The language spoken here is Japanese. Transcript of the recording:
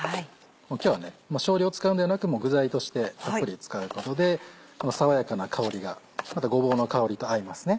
今日は少量使うのではなく具材としてたっぷり使うことで爽やかな香りがまたごぼうの香りと合いますね